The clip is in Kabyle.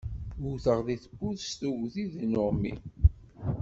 Wwteɣ di tewwurt s tuggdi d uneɣni.